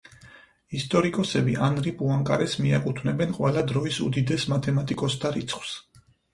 ისტორიკოსები ანრი პუანკარეს მიაკუთვნებენ ყველა დროის უდიდეს მათემატიკოსთა რიცხვს.